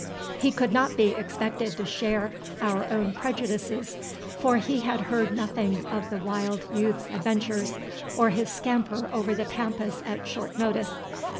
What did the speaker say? He could not be expected to share our own prejudices; for he had heard nothing of the wild youth's adventures, or his scamper over the Pampas at short notice.